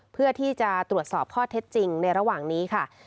เพื่อที่จะตรวจสอบข้อเท็จจริงในระหว่างนี้ค่ะ